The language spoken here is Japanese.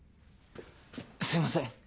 すいません